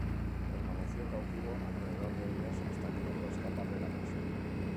Permaneció cautivo alrededor de un mes hasta que logró escapar de la prisión.